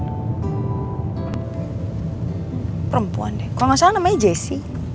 perempuan deh kok gak salah namanya jessy